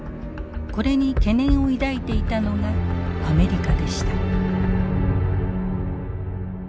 これに懸念を抱いていたのがアメリカでした。